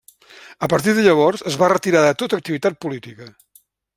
A partir de llavors, es va retirar de tota activitat política.